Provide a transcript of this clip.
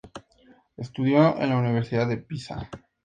Estudió en la Universidad de Pisa.